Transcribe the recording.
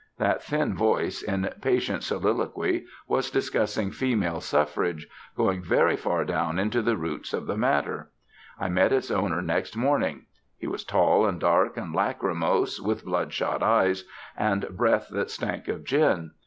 That thin voice, in patient soliloquy, was discussing Female Suffrage, going very far down into the roots of the matter. I met its owner next morning. He was tall and dark and lachrymose, with bloodshot eyes, and breath that stank of gin.